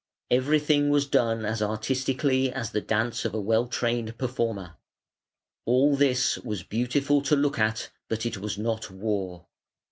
Everything was done as artistically as the dance of a well trained performer. All this "was beautiful to look at, but it was not war".